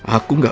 aku gak boleh